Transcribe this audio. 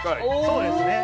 そうですね。